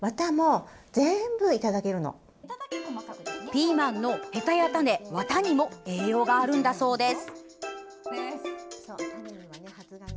ピーマンのへたや種ワタにも栄養があるんだそうです。